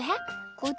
こっち？